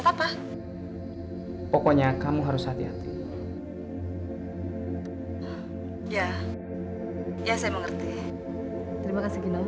tidak ada yang bisa dikira